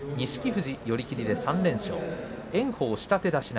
富士、寄り切りで勝って３連勝。